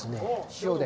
塩で？